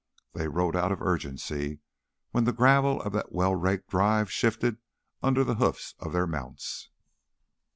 They rode out of urgency when the gravel of that well raked drive shifted under the hoofs of their mounts.